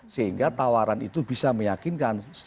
sehingga tawaran itu bisa meyakinkan